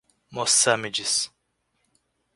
Mossâmedes